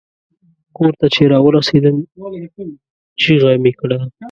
کور ته چې را ورسیدم چیغه مې کړه.